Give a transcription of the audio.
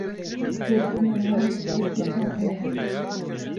Pêdiviya wan bi trajediyan heye.